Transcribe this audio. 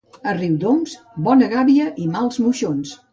A Riudoms, bona gàbia i mals moixons.